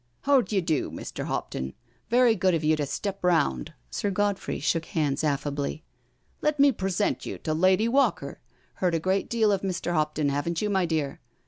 •* How d'y'do, Mr. Hopton— very good of you to step round. Sir Godfrey shook hands affably. " Let me present you to Lady Walker— heard a great deal of Mr. Hopton, haven't you, my dear?